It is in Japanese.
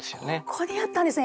ここにあったんですね。